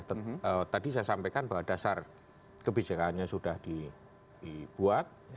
tadi saya sampaikan bahwa dasar kebijakannya sudah dibuat